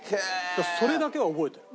それだけは覚えてる。